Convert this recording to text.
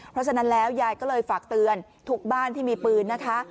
เพราะฉะนั้นแล้วยายก็เลยฝากเตือนทุกบ้านที่มีปืนนะคะ